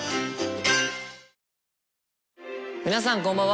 皆さんこんばんは。